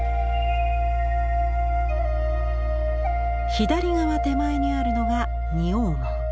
左側手前にあるのが仁王門。